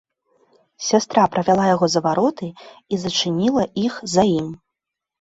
Сястра правяла яго за вароты і зачыніла іх за ім.